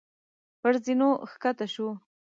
پر زينو کښته شو.